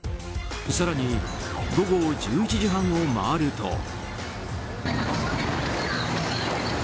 更に午後１１時半を回ると。